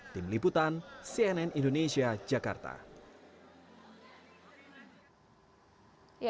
tim liputan cnn indonesia jakarta